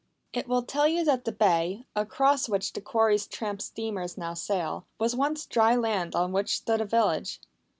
It will tell you that the bay, across which the quarry's tramp steamers now sail, was once dry land on which stood a village.